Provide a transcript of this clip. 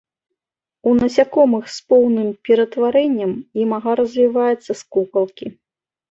У насякомых з поўным ператварэннем імага развіваецца з кукалкі.